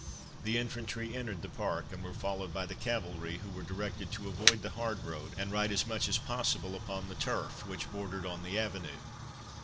The infantry entered the Park, and were followed by the cavalry, who were directed to avoid the hard road, and ride as much as possible upon the turf which bordered on the avenue.